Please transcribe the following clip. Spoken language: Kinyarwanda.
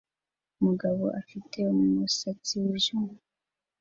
Umugabo afite umusatsi wijimye